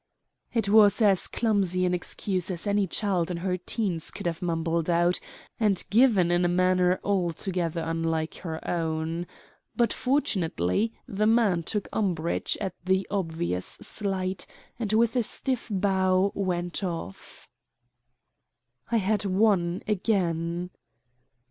It was as clumsy an excuse as any child in her teens could have mumbled out, and given in a manner altogether unlike her own. But fortunately the man took umbrage at the obvious slight, and with a stiff bow went off. I had won again.